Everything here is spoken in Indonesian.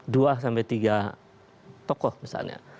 dua sampai tiga tokoh misalnya